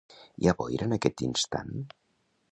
Hi ha boira en aquest instant?